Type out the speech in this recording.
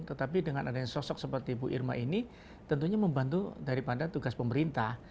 tetapi dengan adanya sosok seperti bu irma ini tentunya membantu daripada tugas pemerintah